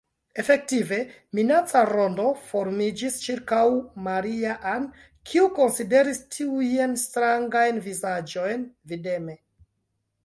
Efektive, minaca rondo formiĝis ĉirkaŭ Maria-Ann, kiu konsideris tiujn strangajn vizaĝojn videme.